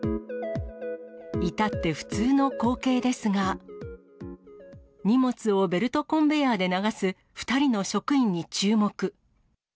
いたって普通の光景ですが、荷物をベルトコンベヤーで流す２人の職員に注目。